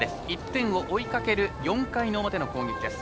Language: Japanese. １点を追いかける４回の表の攻撃です。